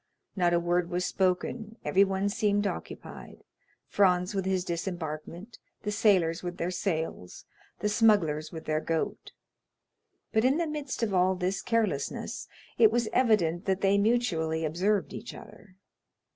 Not a word was spoken, everyone seemed occupied, Franz with his disembarkment, the sailors with their sails, the smugglers with their goat; but in the midst of all this carelessness it was evident that they mutually observed each other.